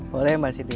boleh mbak cynthia